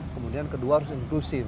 kemudian kedua harus inklusif